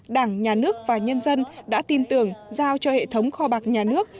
đảng nhà nước và nhân dân đã tin tưởng giao cho hệ thống kho bạc nhà nước